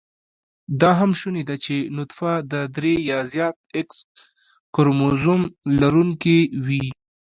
دا هم شونې ده چې نطفه د درې يا زیات x کروموزم لرونېکې وي